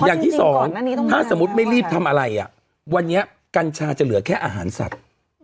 อย่างที่สองถ้าสมมุติไม่รีบทำอะไรวันนี้กัญชาจะเหลือแค่อาหารสัตว์